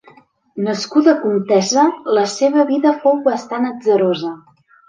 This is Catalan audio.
Nascuda comtessa, la seva vida fou bastant atzarosa.